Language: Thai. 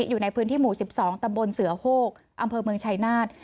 อยู่ในพื้นที่หมู่๑๒ตำบลเสือโฮกอำเภอเมืองชายนาฏ